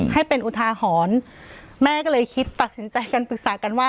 ให้เป็นอุทาหรณ์แม่ก็เลยคิดตัดสินใจกันปรึกษากันว่า